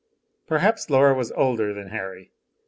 Perhaps Laura was older than Harry.